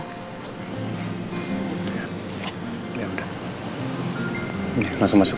nih langsung masuk